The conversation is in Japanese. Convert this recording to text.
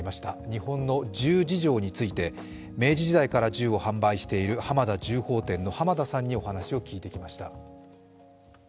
日本の銃事情について明治時代から銃を販売している浜田銃砲店の浜田さんにお話を聞いてきました。